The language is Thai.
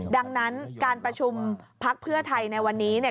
ดังนั้นการประชุมพักเพื่อไทยในวันนี้